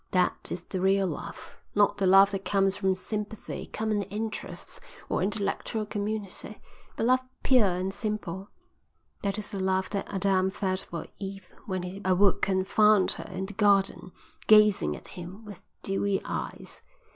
That is the real love, not the love that comes from sympathy, common interests, or intellectual community, but love pure and simple. That is the love that Adam felt for Eve when he awoke and found her in the garden gazing at him with dewy eyes.